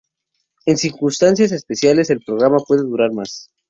En circunstancias especiales, el programa puede durar más.